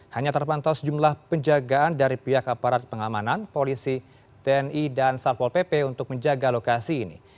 hanya terpantau sejumlah penjagaan dari pihak aparat pengamanan polisi tni dan satpol pp untuk menjaga lokasi ini